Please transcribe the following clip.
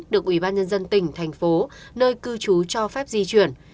được ubnd tp nơi cư trú cho phép di chuyển